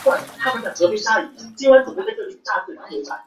同时它并非南方而是加州和密歇根的产物。